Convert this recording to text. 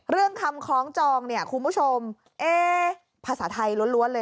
คำคล้องจองเนี่ยคุณผู้ชมเอ๊ภาษาไทยล้วนเลย